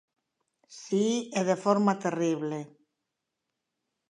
Si e de forma terrible.